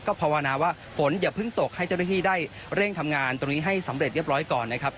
ภาวนาว่าฝนอย่าเพิ่งตกให้เจ้าหน้าที่ได้เร่งทำงานตรงนี้ให้สำเร็จเรียบร้อยก่อนนะครับ